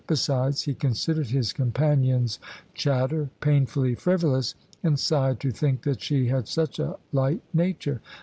Besides, he considered his companion's chatter painfully frivolous, and sighed to think that she had such a light nature.